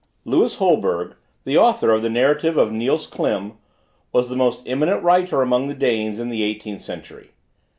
Lewis Holberg, the author of the Narrative of Niels Klim, was the most eminent writer among the Danes in the eighteenth century.